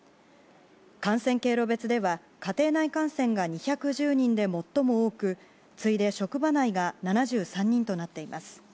感染経路別では家庭内感染が２１０人で最も多く次いで職場内が７３人となっています。